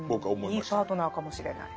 いいパートナーかもしれない。